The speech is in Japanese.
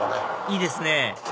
いいですね